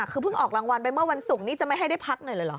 คือเพิ่งออกรางวัลไปเมื่อวันศุกร์นี้จะไม่ให้ได้พักหน่อยเลยเหรอ